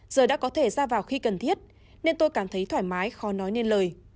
giờ đã có thể ra vào khi cần thiết nên tôi cảm thấy thoải mái khó nói nên lời